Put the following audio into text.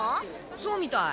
そうみたい。